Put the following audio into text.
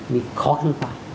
bị khó lan tỏa